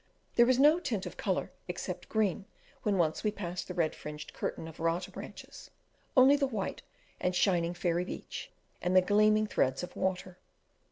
There was no tint of colour except green when once we passed the red fringed curtain of rata branches, only the white and shining fairy beach and the gleaming threads of water.